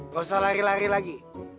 gak usah lari lari lagi